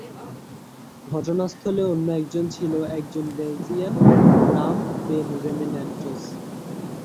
ঘটনাস্থলে অন্য একজন ছিল, একজন বেলজিয়ান, নাম বেন রেমেন্যান্টস।